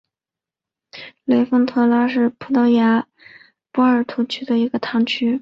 雷丰托拉是葡萄牙波尔图区的一个堂区。